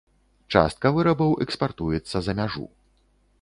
Частка вырабаў экспартуецца за мяжу.